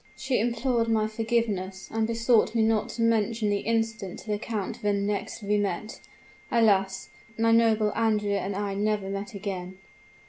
She implored my forgiveness, and besought me not to mention the incident to the count when next we met. Alas! my noble Andrea and I never met again.